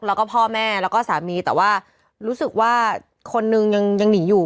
แล้วก็พ่อแม่แล้วก็สามีแต่ว่ารู้สึกว่าคนนึงยังหนีอยู่